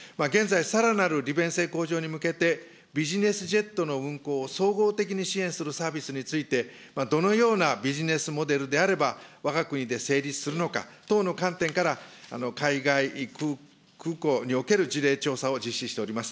現在、さらなる利便性向上に向けて、ビジネスジェットの運航を総合的に支援するサービスについて、どのようなビジネスモデルであればわが国で成立するのか等の観点から海外空港における事例調査を実施しております。